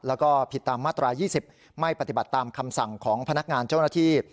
แล้วก็ผิดตามมาตราย๒๐ไม่ปฏิบัติตามคำสั่งของพนักงานเจ้าหน้าที่